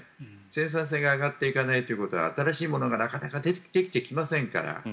生産性が上がっていかないということは新しいものがなかなかできてきませんから。